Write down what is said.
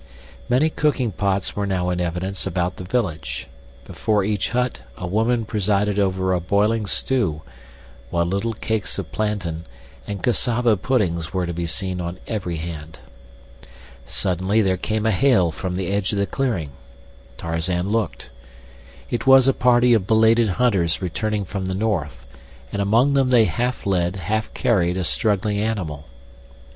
Many cooking pots were now in evidence about the village. Before each hut a woman presided over a boiling stew, while little cakes of plantain, and cassava puddings were to be seen on every hand. Suddenly there came a hail from the edge of the clearing. Tarzan looked. It was a party of belated hunters returning from the north, and among them they half led, half carried a struggling animal.